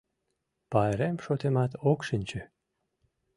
— Пайрем шотымат ок шинче.